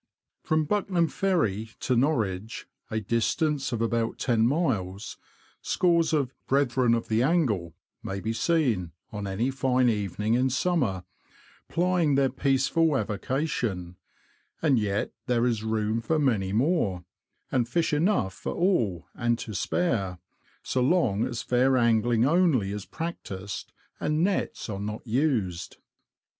From Buckenham Ferry to Norwich, a distance of * The Low Light was demolished in 1886. LOWESTOFT TO NORWICH. 59 about ten miles, scores of "brethren of the angle" may be seen, on any fine evening in summer, plying their peaceful avocation ; and yet there is room for many more, and fish enough for all and to spare, so long as fair angling only is practised and nets are not used.